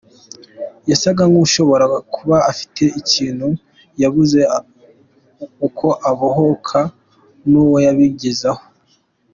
yasaga nk’ushobora kuba afite ikintu yabuze uko abohoka n’uwo yabigezaho.